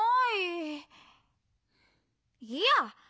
いいや！